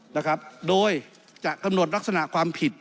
นะครับโดยจะกำหนดลักษณะความผิด